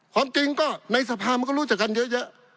ความจริงก็ในสภามันก็รู้จักกันเยอะ